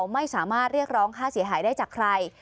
ไม่สามารถเรียกร้องค่าเสียหายได้จากใคร